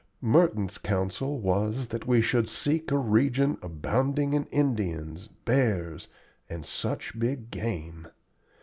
Merton's counsel was that we should seek a region abounding in Indians, bears, and "such big game."